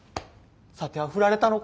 さてはフラれたのか？